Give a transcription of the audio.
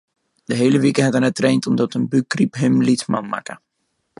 De hiele wike hat er net traind omdat in bûkgryp him lytsman makke.